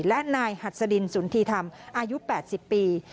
และนายหัสดินสุนธีธรรมอายุ๘๐ปี